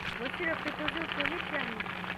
Voici le préposé au courrier qui arrive.